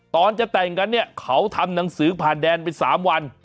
ตอนจะแต่งกันเนี่ยเขาทำหนังสือผ่านแดนไป๓วัน